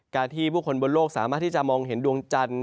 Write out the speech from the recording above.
การที่ผู้คนบนโลกสามารถที่จะมองเห็นดวงจันทร์